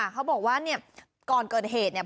เขาบอกว่าเนี่ยก่อนเกิดเหตุเนี่ย